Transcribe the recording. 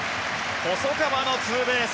細川のツーベース。